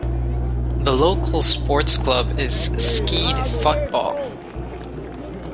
The local sports club is Skeid Fotball.